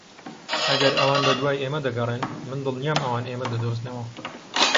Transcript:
ئەگەر ئەوان بەدوای ئێمە دەگەڕێن، من دڵنیام ئەوان ئێمە دەدۆزنەوە.